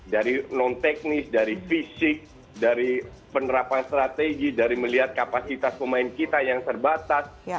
dari non teknis dari fisik dari penerapan strategi dari melihat kapasitas pemain kita yang terbatas